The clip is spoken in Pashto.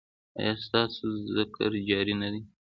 ایا ستاسو ذکر جاری نه دی؟